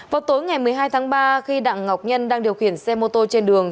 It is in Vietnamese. vào tối ngày một mươi hai tháng ba khi đặng ngọc nhân đang điều khiển xe mô tô trên đường